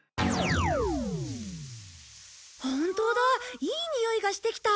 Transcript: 本当だいいにおいがしてきた。